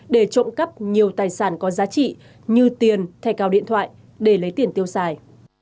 để trộm cắp nhiều tài sản có giá trị như tiền thẻ cào điện thoại để lấy tiền tiêu xài